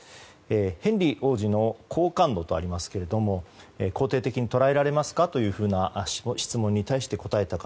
ヘンリー王子の好感度とありますが肯定的に捉えられますかという質問に対し答えた方。